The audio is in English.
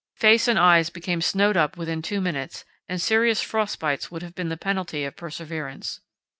Face and eyes became snowed up within two minutes, and serious frost bites would have been the penalty of perseverance.